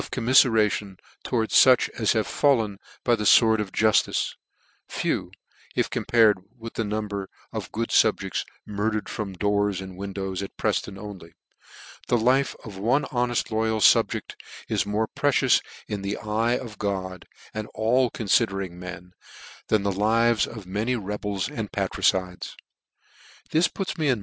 No. C c com 202 NEW NEWGATE CALENDAR. rommife radon toward fuch as have fallen by the fword of juftice, (few, if compared with die num bers of good fubjects, murdered from doors and windows at Prefton only) the life of one honeft, loyal fubject is more precious in the eye of God, and all confidering men, than the lives of many rebels and parricides. "This puts me in